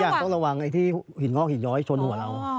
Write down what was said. อย่างต้องระวังไอ้ที่หินงอกหินย้อยชนหัวเรา